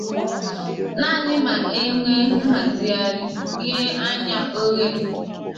naanị ma e nwee nhazigharị ghe anya oghe